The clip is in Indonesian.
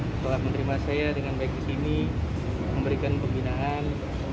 setelah menerima saya dengan baik di sini memberikan pembinaan